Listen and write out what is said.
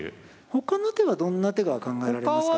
他の手はどんな手が考えられますか？